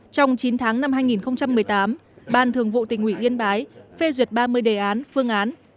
trong chín tháng năm hai nghìn một mươi tám ban thường vụ tỉnh ủy yên bái phê duyệt ba mươi đề án phương án